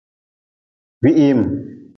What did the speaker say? Gwihiim.